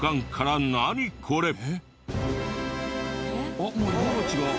あっもう色が違う。